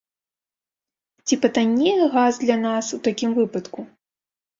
Ці патаннее газ для нас у такім выпадку?